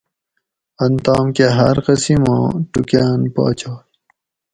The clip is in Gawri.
ان تام کہ ہاۤر قسیماں ٹوکاۤن پاچائے